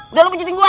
udah lu nginjitin gua